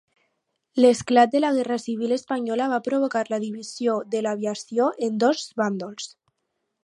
L'esclat de la Guerra civil espanyola va provocar la divisió de l'aviació en dos bàndols.